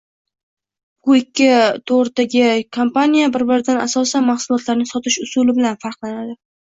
Bu ikki to‘rdagikompaniya bir-biridan asosan mahsulotlarini sotish usuli bilan farqlanadi